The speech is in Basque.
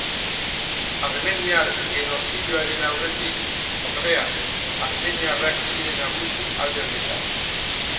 Armeniar genozidioaren aurretik, ordea, armeniarrak ziren nagusi alde honetan.